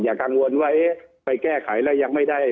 กังวลว่าเอ๊ะไปแก้ไขแล้วยังไม่ได้